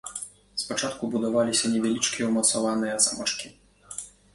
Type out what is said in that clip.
Спачатку будаваліся невялічкія ўмацаваныя замачкі.